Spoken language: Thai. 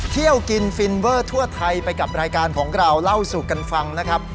เที่ยวกินฟินเวอร์ทั่วไทยไปกับรายการของเราเล่าสู่กันฟังนะครับ